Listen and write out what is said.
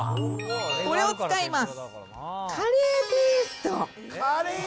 これを使います。